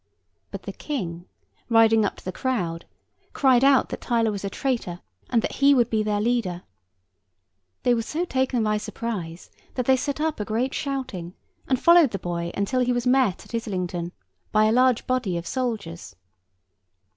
But the King riding up to the crowd, cried out that Tyler was a traitor, and that he would be their leader. They were so taken by surprise, that they set up a great shouting, and followed the boy until he was met at Islington by a large body of soldiers.